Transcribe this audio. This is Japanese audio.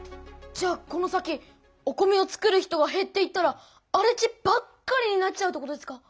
じゃあこの先お米を作る人がへっていったらあれ地ばっかりになっちゃうってことですか？